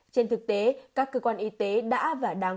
trên thực tế các cơ quan y tế đã và đang